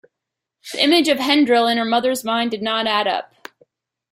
The image of Hedril in her mother's mind does not add up.